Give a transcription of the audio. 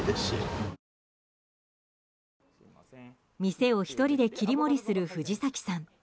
店を１人で切り盛りする藤崎さん。